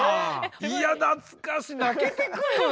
いや懐かしい泣けてくる！